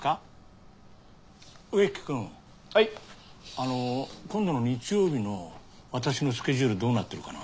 あの今度の日曜日の私のスケジュールどうなってるかな？